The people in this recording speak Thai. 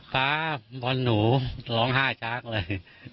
ป๊าม่อนหนูร้องห้าช้ากเลย